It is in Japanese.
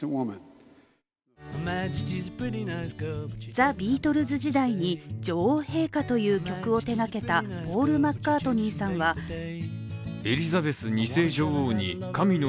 ザ・ビートルズ時代に、女王陛下という曲を手がけたポール・マッカートニーさんはとコメント。